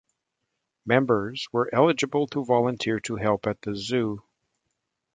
Members were eligible to volunteer to help at the Zoo.